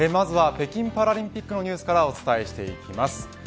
まずは北京パラリンピックのニュースからお伝えしていきます。